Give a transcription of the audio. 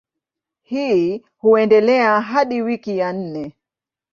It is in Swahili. Hii huendelea hadi wiki ya nne.